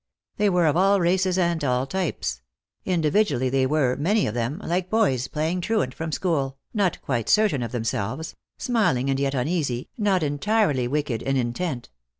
They were of all races and all types; individually they were, many of them, like boys playing truant from school, not quite certain of themselves, smiling and yet uneasy, not entirely wicked in intent.